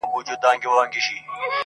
که معنا د عقل دا جهان سوزي وي-